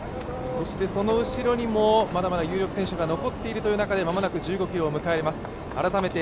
その後ろにもまだまだ有力選手が残ってる中で間もなく１５ｋｍを迎えます。